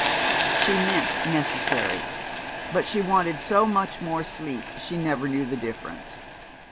She meant "necessary," but she wanted so much more sleep she never knew the difference.